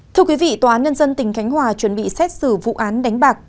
thưa quý vị tòa án nhân dân tỉnh khánh hòa chuẩn bị xét xử vụ án đánh bạc